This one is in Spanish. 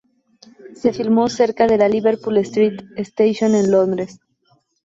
Se filmó cerca de la Liverpool Street Station en Londres.